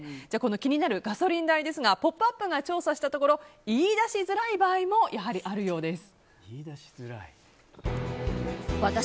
気になるガソリン代ですが「ポップＵＰ！」が調査したところ言い出しづらい場合もやはりあるようです。